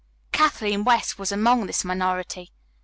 Kathleen West was among this minority.